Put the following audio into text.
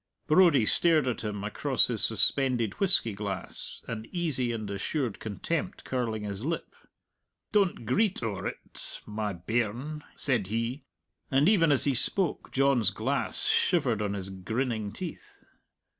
Brodie stared at him across his suspended whisky glass, an easy and assured contempt curling his lip. "Don't greet owre't, my bairn," said he, and even as he spoke John's glass shivered on his grinning teeth.